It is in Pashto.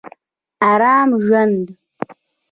ارام ژوند